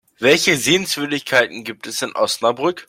Welche Sehenswürdigkeiten gibt es in Osnabrück?